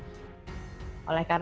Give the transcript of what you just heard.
bagaimana menurut anda